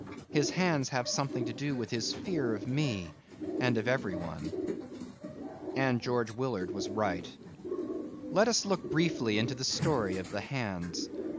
His hands have something to do with his fear of me and of everyone." And George Willard was right. Let us look briefly into the story of the hands.